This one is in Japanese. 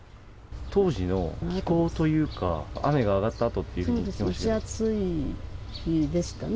当時の気候というか、雨が上がったあとというふうに言ってましたが。